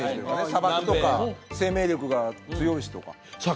砂漠とか生命力が強いしとかさあ黒柳さん